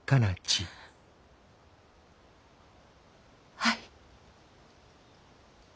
はい。